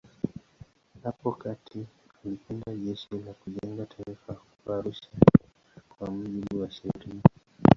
Hapo kati alikwenda Jeshi la Kujenga Taifa huko Arusha kwa mujibu wa sheria.